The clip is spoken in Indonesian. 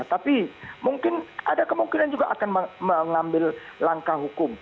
tapi mungkin ada kemungkinan juga akan mengambil langkah hukum